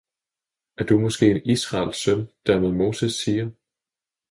Er du måske en Israels søn, der med Moses siger.